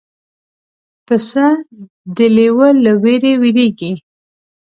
پسه د لیوه له وېرې وېرېږي.